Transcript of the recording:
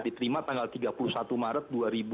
diterima tanggal tiga puluh satu maret dua ribu dua puluh